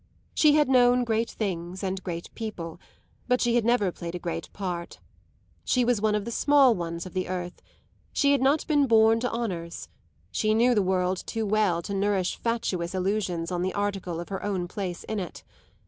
She had known great things and great people, but she had never played a great part. She was one of the small ones of the earth; she had not been born to honours; she knew the world too well to nourish fatuous illusions on the article of her own place in it.